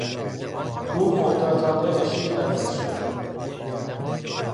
او محتاطانه به شیر نزدیک شد.